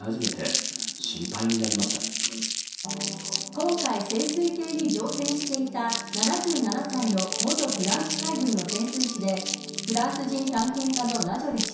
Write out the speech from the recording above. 今回、潜水艇に乗船していた７７歳の元フランス海軍の潜水士でフランス人探検家のナジョレ氏。